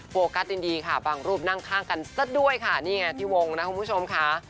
โฟกัสดีค่ะบางรูปนั่งข้างกันซะด้วยค่ะนี่ไงที่วงนะคุณผู้ชมค่ะ